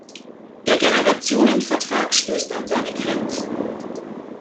Der Generationenvertrag stößt an seine Grenzen.